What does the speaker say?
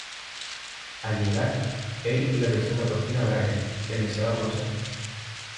Al llegar, Eric le presenta por fin a Brian, quien deseaba conocerlo.